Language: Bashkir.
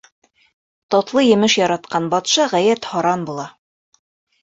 Татлы емеш яратҡан батша ғәйәт һаран була.